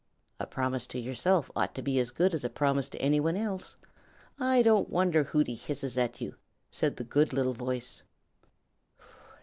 "A promise to yourself ought to be just as good as a promise to any one else. I don't wonder Hooty hisses at you," said the good little voice.